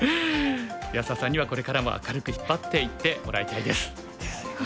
安田さんにはこれからも明るく引っ張っていってもらいたいです。